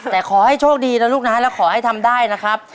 แต่ขอให้โชคดีนะลูกนะแล้วขอให้ทำได้นะครับ